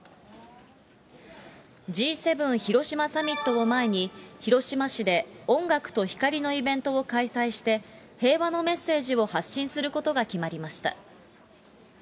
Ｇ７広島サミットを前に、広島市で音楽と光のイベントを開催して、平和のメッセージを発信することが決まりました。